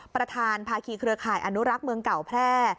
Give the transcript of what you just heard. ประธานภาคีเครือข่ายอนุรักษ์เมืองเก่าแพร่